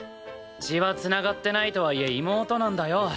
血は繋がってないとはいえ妹なんだよ。